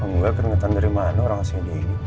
engga keringetan dari mana orang sini